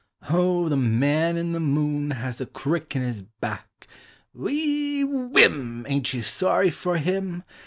" O the Man in the Moon has a crick in his back; Whee! Whim in! Ain't you sorry for him?